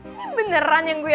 ini beneran yang gue